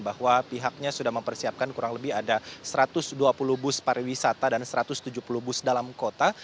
bahwa pihaknya sudah mempersiapkan kurang lebih ada satu ratus dua puluh bus pariwisata dan satu ratus tujuh puluh bus dalam kota